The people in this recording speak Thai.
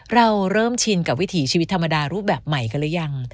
เราเริ่มชินกับวิถีชีวิตธรรมดารูปแบบใหม่กันหรือยัง